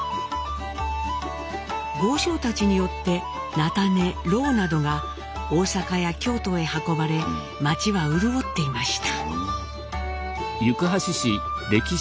豪商たちによって菜種ろうなどが大阪や京都へ運ばれ町は潤っていました。